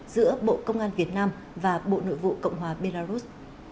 giữa bộ công an việt nam và bộ nội vụ cộng hòa belarus